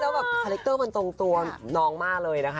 แล้วแบบคาแรคเตอร์มันตรงตัวน้องมากเลยนะคะ